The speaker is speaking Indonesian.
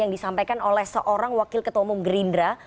yang disampaikan oleh seorang wakil ketua umum gerindra